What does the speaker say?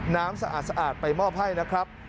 สะอาดไปมอบให้นะครับ